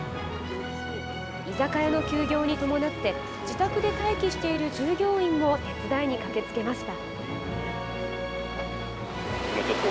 居酒屋の休業に伴って自宅で待機している従業員も手伝いに駆けつけました。